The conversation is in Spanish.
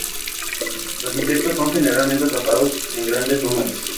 Los insectos son generalmente atrapados en grandes números.